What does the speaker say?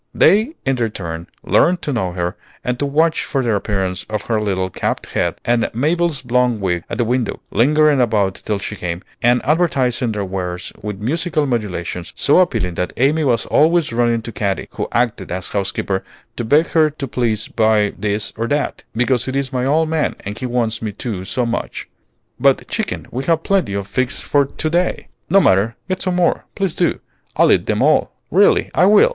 They, in their turn, learned to know her and to watch for the appearance of her little capped head and Mabel's blond wig at the window, lingering about till she came, and advertising their wares with musical modulations, so appealing that Amy was always running to Katy, who acted as housekeeper, to beg her to please buy this or that, "because it is my old man, and he wants me to so much." "But, chicken, we have plenty of figs for to day." "No matter; get some more, please do. I'll eat them all; really, I will."